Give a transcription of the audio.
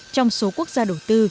trong số quốc gia đầu tư